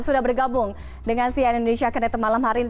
sudah bergabung dengan sia indonesia ketemalam hari ini